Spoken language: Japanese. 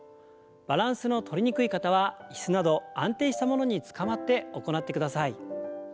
バランスのとりにくい方は椅子など安定したものにつかまって行ってください。